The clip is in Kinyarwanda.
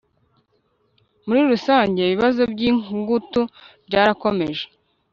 muri rusange ibibazo by'ingutu byarakomeje